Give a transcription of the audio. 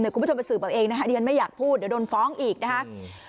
คุณผู้ชมจะสื่อแบบเองนะฮะเดี๋ยวไม่อยากพูดเดี๋ยวโดนฟ้องอีกนะฮะ